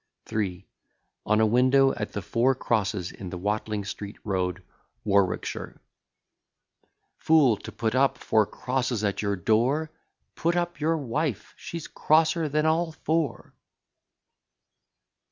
III. ON A WINDOW AT THE FOUR CROSSES IN THE WATLING STREET ROAD, WARWICKSHIRE Fool, to put up four crosses at your door, Put up your wife, she's CROSSER than all four.